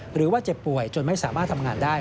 หรือว่าเจ็บป่วยจนไม่สามารถทำงานได้